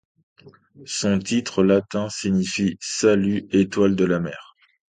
Son titre latin signifie Salut, étoile de la mer.